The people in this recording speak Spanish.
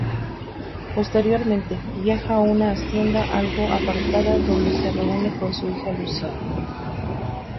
Posteriormente, viaja a una hacienda algo apartada, donde se reúne con su hija Lucy.